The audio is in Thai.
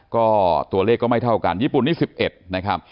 ก็ตัวเลขก็ไม่เท่ากันญี่ปุ่นนี่๑๑นะครับ